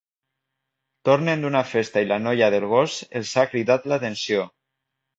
Tornen d'una festa i la noia del gos els ha cridat l'atenció.